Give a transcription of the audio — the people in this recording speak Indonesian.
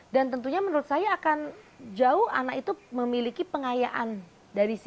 dan tentunya menurut saya akan jauh anak itu memiliki pengayaan dari sisi